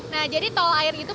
nah jadi tol air itu